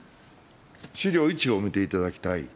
資料１を見ていただきたい。